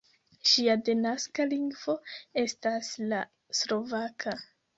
Ŝia denaska lingvo estas la slovaka.